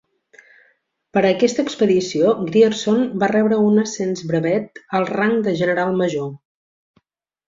Per a aquesta expedició Grierson va rebre un ascens brevet al rang de general major.